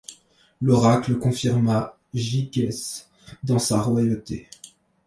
L'oracle confirma Gygès dans sa royauté.